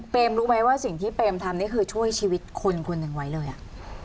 รู้ไหมว่าสิ่งที่เปมทำนี่คือช่วยชีวิตคนคนหนึ่งไว้เลยอ่ะ